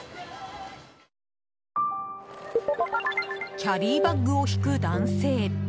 キャリーバッグを引く男性。